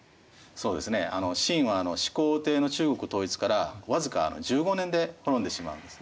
そうですね秦は始皇帝の中国統一から僅か１５年で滅んでしまうんですね。